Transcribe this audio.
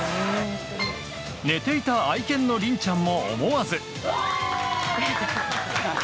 寝ていた愛犬の鈴ちゃんも思わず。